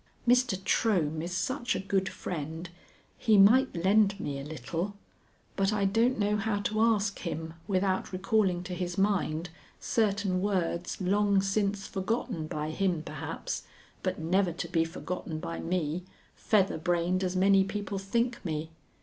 Mr. Trohm is such a good friend, he might lend me a little, but I don't know how to ask him without recalling to his mind certain words long since forgotten by him perhaps, but never to be forgotten by me, feather brained as many people think me.